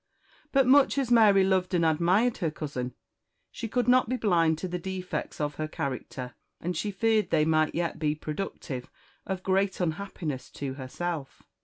But much as Mary loved and admired her cousin, she could not be blind to the defects of her character, and she feared they might yet be productive of great unhappiness to herself.